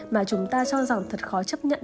mà chúng ta cho dòng thật khó chấp nhận